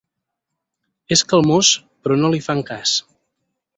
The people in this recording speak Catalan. És calmós, però no li fan cas.